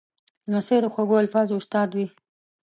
لمسی د خوږو الفاظو استاد وي.